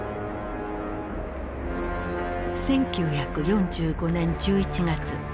１９４５年１１月。